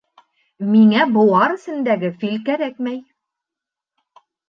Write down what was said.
Миңә быуар эсендәге фил кәрәкмәй!